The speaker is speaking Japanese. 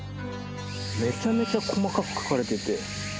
めちゃめちゃ細かく描かれてて。